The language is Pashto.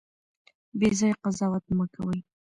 بې ځایه قضاوت مه کوئ.